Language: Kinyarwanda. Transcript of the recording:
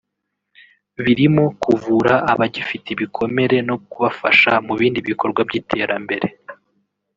birimo kuvura abagifite ibikomere no kubafasha mu bindi bikorwa by’iterambere